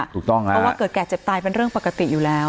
เพราะว่าเกิดแก่เจ็บตายเป็นเรื่องปกติอยู่แล้ว